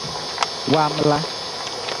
Waamala.